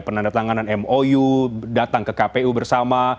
penandatanganan mou datang ke kpu bersama